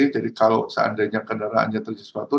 jadi kalau seandainya kendaraannya terjadi sesuatu